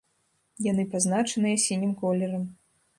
Яны пазначаныя сінім колерам.